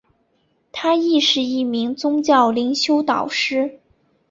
她亦是一名宗教灵修导师。